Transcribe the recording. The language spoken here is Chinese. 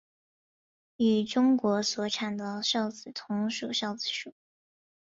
与中国所产的韶子同属韶子属。